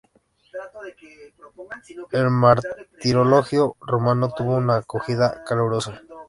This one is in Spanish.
El Martirologio Romano tuvo una acogida calurosa.